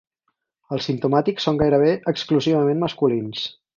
Els simptomàtics són gairebé exclusivament masculins.